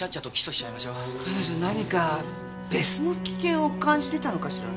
彼女何か別の危険を感じてたのかしらね。